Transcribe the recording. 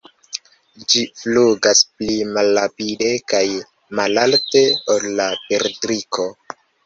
Ĝi flugas pli malrapide kaj malalte ol la perdriko.